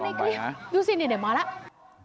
เนี่ยเหตุการณ์ดูสิเนี่ยเดี๋ยวมาแล้ว